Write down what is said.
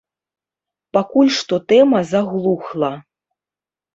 Пакуль што тэма заглухла.